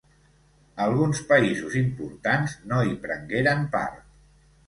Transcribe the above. Alguns països importants no hi prengueren part.